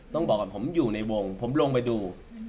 ต้องบอกก่อนผมอยู่ในวงผมลงไปดู